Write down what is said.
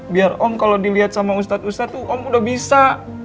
biar om kalo diliat sama ustad ustad tuh om udah bisa